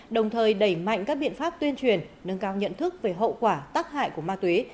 đồng thời đẩy mạnh các biện pháp tuyên truyền nâng cao nhận thức về hậu quả tắc hại của ma túy